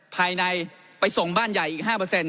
ภายในไปส่งบ้านใหญ่อีก๕